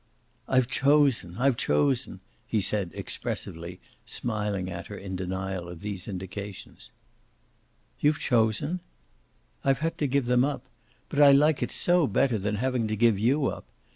"I've chosen I've chosen," he said expressively, smiling at her in denial of these indications. "You've chosen?" "I've had to give them up. But I like it so better than having to give YOU up!